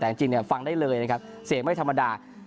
แต่จริงฟังได้เลยนะครับเสียงไม่ธรรมดา